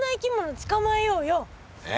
え？